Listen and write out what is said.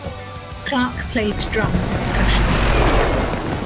Clarke played drums and percussion.